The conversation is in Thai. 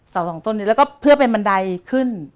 สองต้นนี้แล้วก็เพื่อเป็นบันไดขึ้น